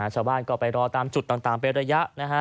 ชาวบ้านก็ไปรอตามจุดต่างไประยะ